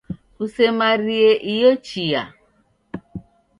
Kusemare iyo chia